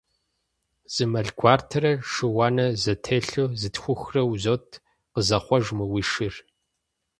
Зы мэл гуартэрэ шы уанэ зэтелъу зытхухрэ узот, къызэхъуэж мы уи шыр!